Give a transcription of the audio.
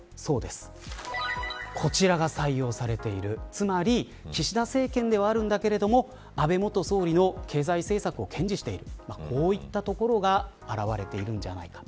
つまり岸田政権ではあるんだけど安倍元総理の経済政策を堅持しているこういったところが現れているんじゃないか。